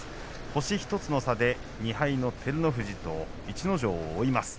星１つの差で２敗の照ノ富士、逸ノ城を追います。